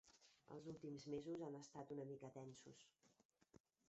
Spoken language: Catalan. Els últims mesos han estat una mica tensos.